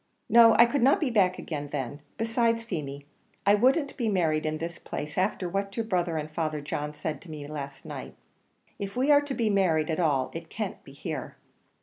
No, I could not be back again then; besides, Feemy, I wouldn't be married in this place after what your brother and Father John said to me last night. If we are to be married at all, it can't be here."